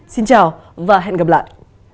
xin chào và hẹn gặp lại